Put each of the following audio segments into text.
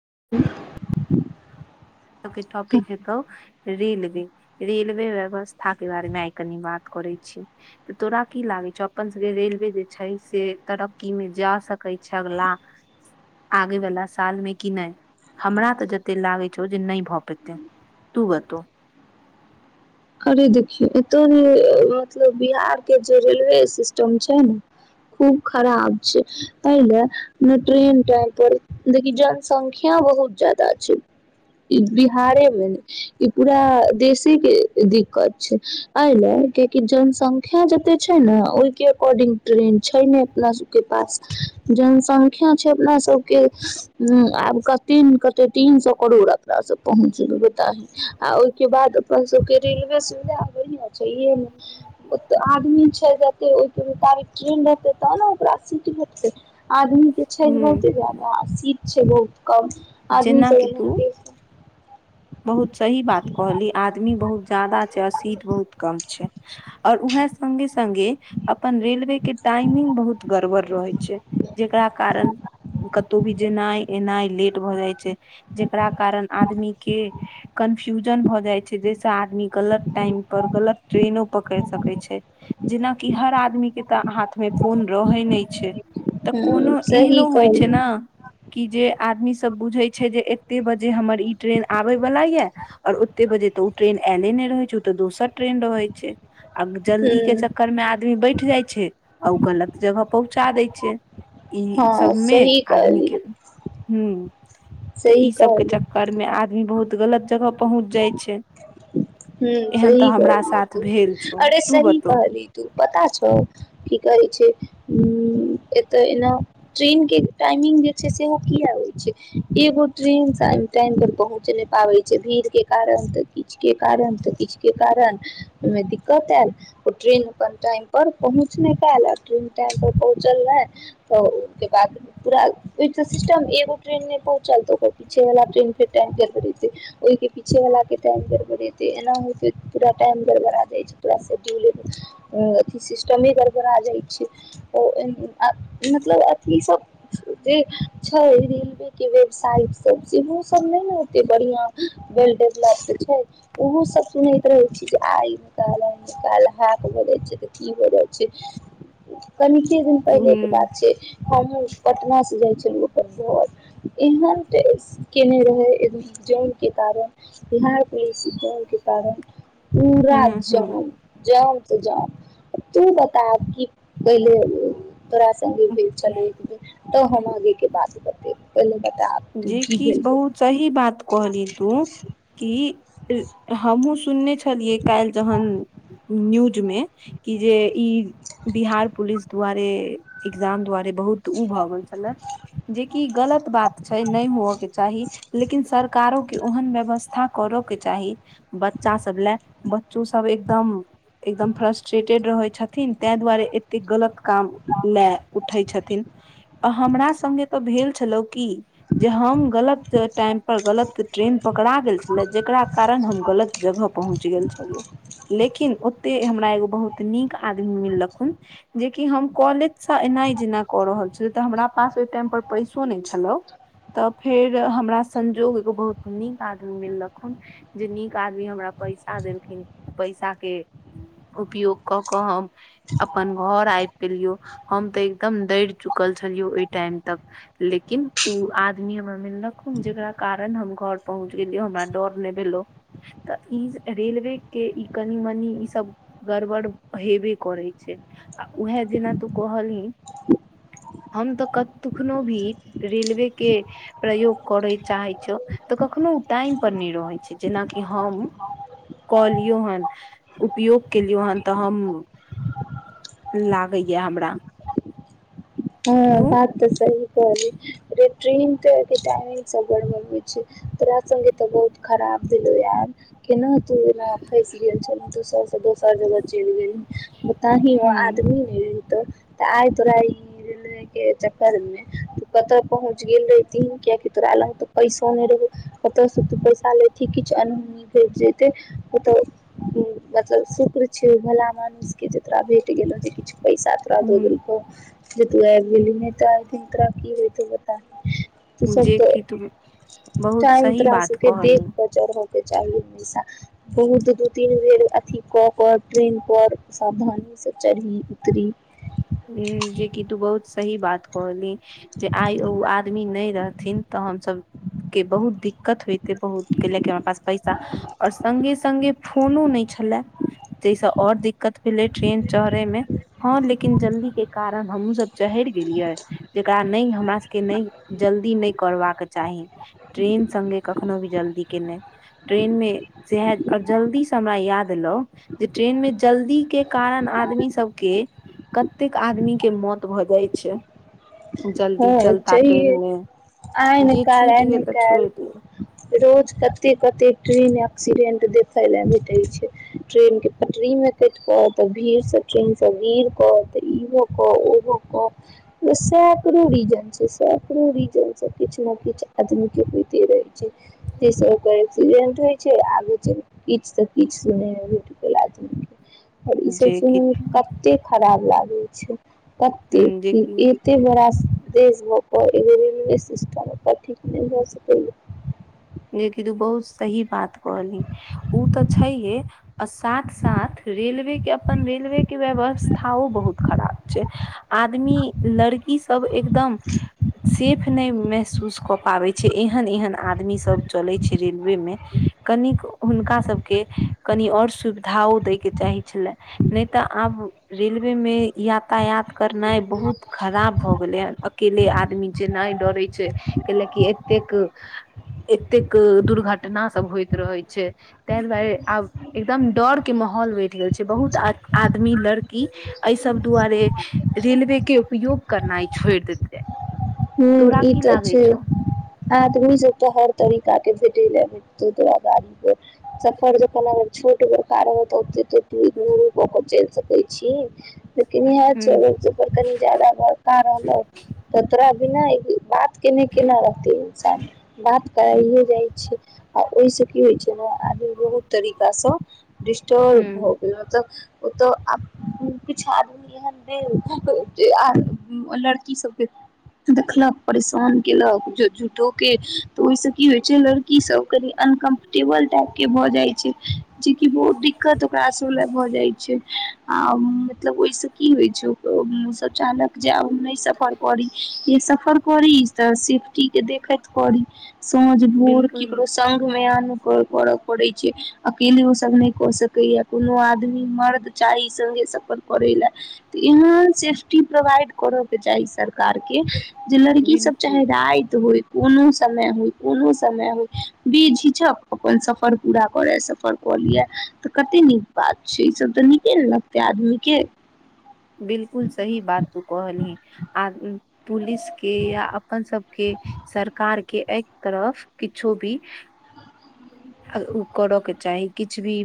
ह [inaudible] के टॉपिक हेतौ रेलवे रेलवे व्यवस्था के बारे में आई कनी बात करे छी त तोरा की लागे छौ अपन सबके रेलवे जे छै से तरक्की मे जा सकैत छै अगला आगे वला साल मे कि नहि हमरा तऽ जतेक लागैत छौ जे नहि भऽ पेतै तू बतो अरे देखियौ एतौ ने मतलब बिहार के जे रेलवे सिस्टम छै ने खूब खराब छै पहिले ट्रेन टाइम पर देखि जनसंख्या बहुत जादा छै ई बिहारे मे ने ई पूरा देशे के दिक्कत छै एहि ले कियाकि जनसंख्या जते छै ने ओहि के अकॉर्डिंग ट्रेंन छै नहि अपना सबके पास जनसंख्या छै अपना सबके आब तीन कते तीन सौ करोड़ अपना सब पहुँच जेबै त आ ओहिके बाद अपना सबके रेलवे सुविधा बढ़िआं छैेहे ने ओते आदमी छै जेते ओइ मोताबिक ट्रेंन रहतै तब ने ओकरा सीट भेटतै आदमी जे छै हूँ बहुते जादा आ सीट छै बहुत कम आदमी सब जेनाकि तू इम्हर के बहुत सही बात कहली आ आदमी बहुत जदा छै औ सीट बहुत कम छै और उहै संघे संघे अपन रेलवे के टाइमिंग बहुत गड़बड़ रहै छै जेकरा कारण कतौ भी जेनाइ एनाइ लेट भऽ जाइ छै जेकरा कारण आदमी के कन्फ्यूजन भ जाय छै जैसे आदमी गलत टाइम पर गलत ट्रेनो पकड़ सक छै जेनाकि हर आदमीके तऽ हाथमे फोन रहै नहि छै तऽ ह कोनो सही एहनो होइ छै कहलू न कि जे आदमी सब बुझे छै जे एते बजे हमर ई ट्रेन आबे वला यै और ओते बजे तऽ ओ ट्रेन आयले नहि रहैत छै ओ तऽ दोसर ट्रेन रहै छै आ जल्दी के हूँ चक्करमे आदमी बैठ जाइ छै आ ओ गलत जगह पहुँचा दै छै ई हँ सबमे सही आदमी कहली के हुं तऽ सही ई सबके कहली चक्कर मे आदमी बहुत गलत जगह पहुँच जाइ छै हूं एहन तऽ सही हमरा कहलही साथ तू भेल छौ अरे तू सही बतो कहलही तू पता छौ की कर छै [unintelligible] एतऽ एना ट्रेन के टाइमिंग जे छै सेहो किया होय छै एगो ट्रेन सा टाइम पर पहुँच नहि पाबै छै भीड़ के कारण तऽ किछु के कारण त किछु के कारण ओहिमे दिक्कत एल ओ ट्रेन अपन टाइम पर पहुँचनै ट्रन टाइम पर पहुँचल नहि तऽ ओहि के बाद पूरा ओहि से सिस्टम एगो ट्रेन नहि पहुंचल त ओकर पीछे वाला ट्रेन के टाइम गड़बड़ेतै ओहि के पीछे बला के टाइम गड़बड़ेतै एना होइत होइत पुरा टाइम गड़बड़ा जाय छै शेड्यूल सिस्ट गड़बड़ा [unintelligible] मतलब अथ सब जे छै रेलवे के वेबसाइट सब सेहो सब नहि ने ओते बढ़िया वेल डेवलप्ड छै ओहो सभ सुनैत रहै छी आ ई [unintelligible] निकाल निक ह के बजैत छै तऽ की बजैत छै कनिके दिन ह पहिले के बात छै हमहुं पटना से जाइ छी [inaudible] एहन टेस केने रहै जनी के कारण बिहार पु के कारण पूरा ह ह जाम जाम जाम तू बता की [unintelligible] तोरा संघे भेल छलौ एक बेर तऽ हम आगे के बात बतेबौ जे किछु बहुत सही बात कहली तू की हमहुँ सुनने छलियै काल्हि जहन न्यूजमे कि जे ई बिहार पुलिस द्वारे एग्जाम दआारे बहुत उ भऽ गेल छलै जेकि गलत बात छै नहि होअ के चाही लेकिन सरकारोके ओहन व्यवस्था करऽ के चाही ब चा सब लै बच्चो सब एकदम एकदम फ्रस्ट्रेटेड रहै छथिन तै द्वारे एतेक गलत काम लै उठै छथिन आ हमरा सङ्गे तऽ भेल छलौ की जे हम गलत टाइम पर गलत ट्रेन पकड़ा गेल छलै जेकरा कारण हम गलत जगह पहुँच गेल छलौ लेकिन ओते हमरा एगो बहुत नीक आदमी मिल्लखुन जेकि हम कॉलेजसँ नै जेना कऽ रहल छै तऽ हमरा पास ओहि टाइम पर पैसो नहि छलौ तऽ फेर हमरा संजोग एगो बहुत नीक आदमी मिललखुन जे नीक आदमी हम पैसा देलखिन ऊ पैसा के उपयोग कऽ कऽ हम अपन घर आब पेलियो हम तऽ एकदम दड़ि चुकल छलियौ ओहि टाइम तक लेकिन ओ आदमी हमर मिल्लखून जेकरा कारण हम घर पहुँच गेलियौ हमरा डर नहि भेलौ तऽ ई रेलवे के ई कनी मनी ई सब गड़बड़ हेबे करै छै आ उहे दिन तू कहलही हम तऽ कखनो भी रेलवे के प्रयोग करे चाहे छौ तऽ कखनो उ टाइम पर नहि रहे छै जेनाकि हम कलियौ हां उपयोग केलियौ हान तो हम लागैया हमरा हँ तू बात तऽ सही कहालियौ गै ट्रेन के के टाइमं गरबर हौ छै तोरा संघे त बहुत खराब दहु यार केना तू एना फैस गेल छ ने दोसर से दोसर जगह चैल गेल ओता ही ओ आदमी ने तऽ आइ तोरा ई रेलवे के चक्कर मे तू कतऽ पहुँच गेल रहेतीन कियकि तोरा लग तो पैसो नहि रहौ कत से तू पैसा लेथि किछु अनहोनी घेट जेतै ओतऽ मतलब शुक्र छै भला मनुष के जेकरा भेट गेलो जे किछु पैसाथरा दू दिन ह को जे ती त तोरा की हो बता त सब जे कि तू त बहुत टाइम सही त्र बात सके देख कहलू क च चूा बहुत दू तीन बेर अथी कऽ कर ट्रेन पर सावधानी से चढ़ी उतरी जे कि तू बहुत सही बात कहली जे आइ ओ आदमी नहि रहथिन तऽ हमसभ के बहुत दिक्कत होइ बहुत के ल क हमरा पास पैसा ओर सङगे सङ्गे फोनो नहि छलै जैस और दिक्कत भेलै ट्रेन चढ़े में हँ लेकिन लेकिन जल्दी के कारण हमूँ सब चैहेर गेलियै जेकरा नहि हमरा सबके नहि जल्दी नहि करबाक चाही ट्रेन सङ्गे कखनो भी जल्दी के नैय ट्रेन मे स आओर जल्दी से हमरा याद ला जे ट्रेन मे जल्दी के कारण आदमी सबके कतेक आदमी के मौत भऽ जाइ छै जल्दी हँ चलता ट्रेन चहिए मे आय न जे काल आय छुटि न गेल तऽ काल छोड़ि दियौ रोज कते कते ट्रेन एक्सीडेंट देखे ले भेटे छै ट्रेन के पटरी मे केट के तऽ भीड़सँ ट्रेन से गिर कऽ तऽ ई होकऽ ओ होऽ सब ो रीजन छै सेकरो रीजन से किछ ने किछ आदमी के होते रहे ी सब कही छै छै आगे चल तब किछ सँ किछ सुनै [unintelligible] आओर ईसभ जे कि सुनैमे कतेक खराब लागैत छै जे कतेक एते बड़ा देशमे तऽ रेलवे सिस्टम एतऽ ठीक नहि भऽ सकैये जे कि तू बहुत सही बात कहलही उ तऽ छैहे आ साथ साथ रेलवे के अपन रेलवे के व्यवस्थाओ बहुत खराब छै आदमी लड़की सब एकदम सेफ नहि महसूस कऽ पाबै छै एहन एहन आदमी स ब चल छै रेलवे मे कनि के हुनका सबके कनि और सुविधा अो द चाही छले नहि तऽ आब रेलवे मे यातायात करनाइ बहुत खराब भऽ गेलै हन अकेले आदमी जे नहि डरे छै कै ल कि एतेक एतेक दुर्घटना सब होइत रहै छै ताहि दुआरे आब एकदम डर के मह बैठ गेल छै बहुत आदमी लड़की एहि सब दुआरे रेलवे के उपयोग करना ह छोड़ दतेै हू ई तऽ छै आदमी जेत हर तरीका के भेट ल मत्य द गाड़ीप सफर जना छोट कारण हो बहुत चैल सकै छियें लेकिन इह छै ह नै कनी ज्यादा भरका रहलो त तोरा भना बात केने केना रहत है इन्सान बात करइए जाइ छै आ ओहिसँ की होइ छै ने आदमी बहुत तरीकासँ डिस्टर्ब भऽ ह गेल मलब ओ तऽ किछु आदमी एहन दे कि आ लड़की सबके देखलक परेशान केलक झूठो के तऽ ओहिसँ की होइ छै लड़की ई सब कनि अनकम्फर्टेबल टाइप के भऽ जाइ छै जेकि बहुत दिक्कत ओकरा सब लए भऽ जाइ छै आ मतलब ओहिसँ की होइ छै ओ सब चाहलक जे आब नहि सफर करी से सफर करी तऽ सेफ्टी के देखैत करी सांझ भोर बिलकुल केकरो संघमे कर पड़ै छै अकेले ओ सब नहि कऽ सकैये कोनो आदमी मर्द चाही संगे सफर करै ले तऽ एहन सेफ्टी प्रोवाइड करै के चाही सरकार के कार के जे लड़की सब चाहे बिलकुल राति होय कोनो समय होइ कोनो समय होइ बेझिझक अपन सफर पूरा करे सफर कलिये तऽ कते नीक बात छै ई सब तऽ नीके न लगतै आदमी के बिलकुल सही बात तू कहलही आ पुलिस के या अपन सबके सरकार के एहि तरफ किछो भी ह [inaudible] आगु करऽ के चाही किछु भी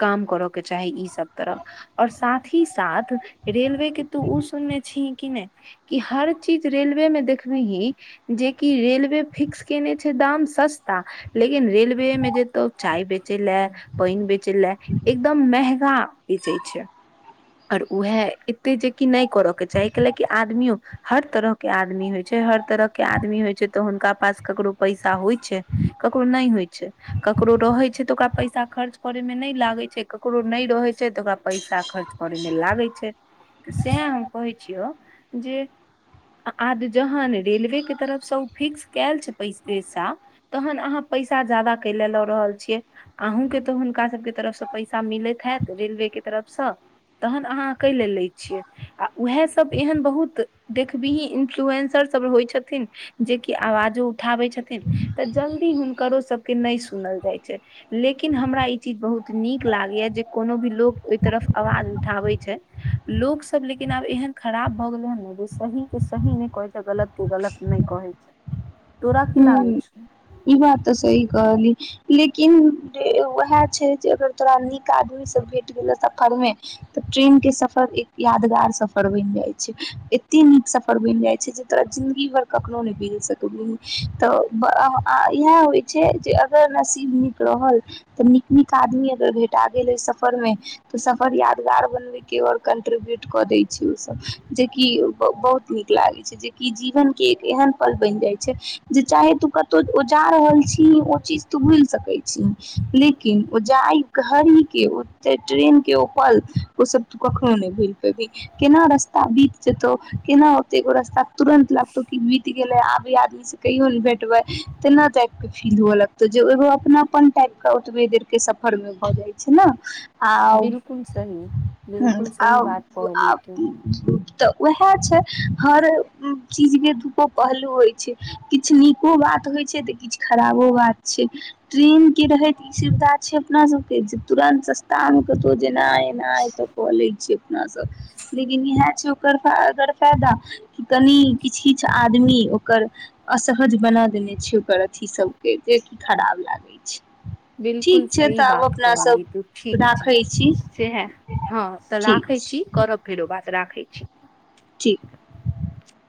काम करऽ के चाही ई सब तरफ आओर साथ ही ही साथ रेलवे के तू उ सुनने छीही कि नहि कि हर चीज रेलवे मे देखबीही जेकि रेलवे फिक्स केने छै दाम सस्ता लेकिन रेलवे मे जेतौ चाय बेचै ले पानि बेचै बेचै ले एकदम महंगा बेचै छै आओर उएह एते जेकि नहि करय के चाही कैलेकि आदमियों हर तरह के आदमी होइ छै हर तरह के आदमी होइ छै तऽ हुनका पास ककरो पैसा होइ छै ककरो नहि होइ छै ककरो रहै छै तऽ ओकरा पैसा खर्च करै मे नहि लागै छै केकरो नहि रहै छै छै तऽ ओकरा पैसा खर्च करैमे लागै छै सएह हम कहै छी छिय जे आद जहन रेलवेके तरफसँ ओ फिक्स कयल छै पैसा तहन अहाँ पैसा जादा कैले लऽ रहल छियै अहूँ के तऽ हुनका सब के तरफ से पैसा मिलैत हेत रेलवे के तरफसँ तहन अहाँ कैले लै छियै आ उएह सब एहन बहुत देखबीही इन्फ्लुएन्सर सब होइ छथिन जेकि आवाजो उठाबै छथिन तऽ जल्दी हुनकरो सब के नहि सुनल जाइ छै लेकिन हमरा ई चीज बहुत नीक लागैया जे कोनो भी लोग ओहि तरफ आवाज उठाबै छै लोक सब लेकिन आब एहन खराब भऽ गेलै हन ने जे सही के सही नहि कहै छै गलत के गलत नहि कहै छै तोरा की लागै ह छौ ई बात तऽ सही कहली लेकिन उएह छै अगर तोरा निक आदमी सब भेट गेलौ सफरमे तऽ ट्रेन के सफर एक यादगार सफर सफर बनि जाय छै एते नीक सफर बनि जाय छै जे तोरा जिन्दगी भर कखनो नहि भूलि सकबिही तऽ आ इएह होइ छै जे अगर नसीब नीक रहल तऽ नीक नीक आदमी अगर भेटा गेलै सफरमे तो सफर यादगार बनवे के और कंट्रीब्यूट कऽ दै ओ सब जेकि बहुत नीक लागे छै जेकि जीवन के एक एहन पल बनि जाय छै जे चाहे तू कतौ ओ जा रहल छी ओ चीज तू भूलि सकै छीही लेकिन ओ जाइ घर ही के ओतै ट्रेन की ओ पल ओ सब तू कखनो नहि भुलि पेबही केना रस्ता बीत जेतौ केना ओते रस्ता तुरन्त लागतौ की बीत गेलै आभि कहियो ने भेटबे तेना टाइप के फील हुए लगतौ जे एगो अपना अपन टाइप के ओतबे देर के सफर मे भऽ जाइ छै ने आउ बिलकुल सही बिलकुल सही आउ बात कहली तू तऽ उएह छै हर चीज के दुगो पहलू होइ छै किछु नीको बात होइ छै तऽ किछु खराबो बात छै ट्रेन के रहैत ई सुविधा छै अपना सबके जे तुरन्त सस्ता मे कतहु जेनाइ एनाइ तऽ कऽ लै छियै अपना सब लेकिन इएह छै ओकर गर फायदा कनि किछु किछु आदमी ओकर असहज बना देने छै ओकर अथी सब के जेकि खराब लागे छै बिलकुल ठीक छै सही तऽ आब बात अपना कह अली तू सब ठीक छै राखै छी सह हँ तऽ ठीक राखै छै छी करब फेरो बात राखै छी ठीक